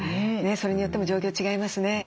それによっても状況違いますね。